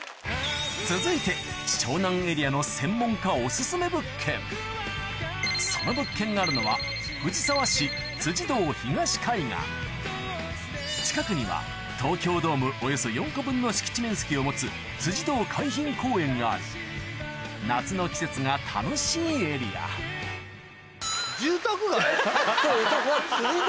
続いて湘南エリアのその物件があるのは近くには東京ドームおよそ４個分の敷地面積を持つ夏の季節が楽しいエリア住宅街？堂。